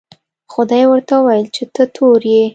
خدای ورته وویل چې ته تور یې.